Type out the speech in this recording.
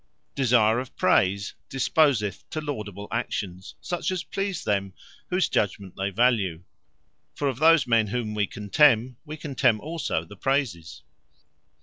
Love Of Vertue, From Love Of Praise Desire of Praise, disposeth to laudable actions, such as please them whose judgement they value; for of these men whom we contemn, we contemn also the Praises.